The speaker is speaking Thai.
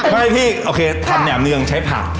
ไม่พี่โอเคทำแหนมเนืองใช้ผัก